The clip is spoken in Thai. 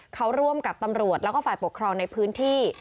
เขาร่วมกับตำรวจแล้วก็ฝ่ายปกครองในพื้นที่